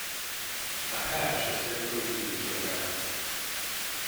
A hash is typically used for the map.